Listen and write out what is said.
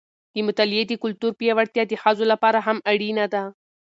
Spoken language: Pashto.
د مطالعې د کلتور پیاوړتیا د ښځو لپاره هم اړینه ده.